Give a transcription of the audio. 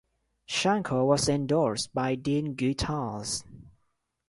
Shankle was endorsed by Dean Guitars.